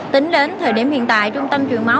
tính đến thời điểm hiện tại trung tâm chuyển máu